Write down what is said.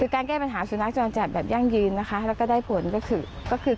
การแก้ปัญหาศูนักจรรย์จัดแบบยั่งยืนและก็ได้ผลก็คือ